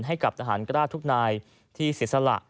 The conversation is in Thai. ให้กับทหารกล้าทุกนายที่เสียสละ